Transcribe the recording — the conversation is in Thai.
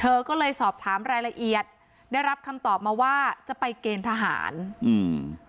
เธอก็เลยสอบถามรายละเอียดได้รับคำตอบมาว่าจะไปเกณฑ์ทหารอืม